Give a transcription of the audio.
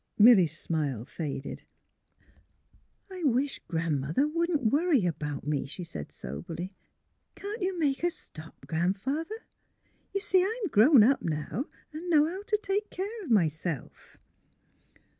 Milly 's smile faded. ^' I wish Gran 'mother wouldn't worry about me," she said, soberly. —'' Can't you make her stop, Gran 'father? You see, I'm grown up, now,, and know how to take care of myself.